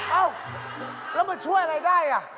เอ้าแล้วมันช่วยอะไรได้อ่ะ